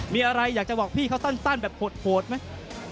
มีอะไรอยากจะบอกพี่เขาสั้นแบบโหดไหม